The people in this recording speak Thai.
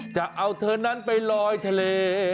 จะเอาเธอนั้นไปลอยทะเล